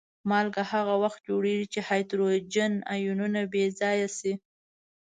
مالګه هغه وخت جوړیږي چې هایدروجن آیونونه بې ځایه شي.